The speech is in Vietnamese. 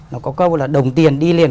nó có câu là đồng tiền đi liền